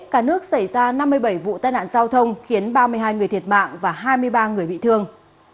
cả nước xảy ra năm mươi bảy vụ tai nạn giao thông khiến ba mươi hai người thiệt mạng và hai mươi ba người bị thương